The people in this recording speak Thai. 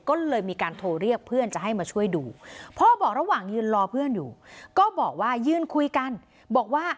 ก็เลยมีการโทรเรียกเพื่อนจะให้มาช่วยดูพ่อบอกระหว่างยืนรอเพื่อนอยู่ก็บอกว่ายืนคุยกันบอกว่า